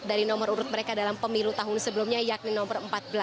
dari nomor urut mereka dalam pemilu tahun sebelumnya yakni nomor empat belas